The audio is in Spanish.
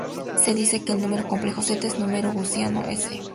Se dice que el número complejo "z" es número gaussiano s.s.s.